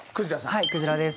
はいくじらです。